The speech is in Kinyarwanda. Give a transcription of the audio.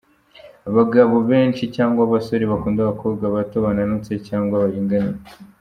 Abagabo benshi cyangwa abasore bakunda abakobwa bato, bananutse cyangwa baringaniye.